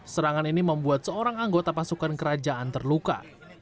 serangan ini membuat seorang anggota pasukan kerajaan terluka